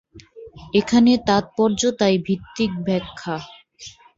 এখানে তাৎপর্য তাই ভিত্তিক ব্যাখ্যা।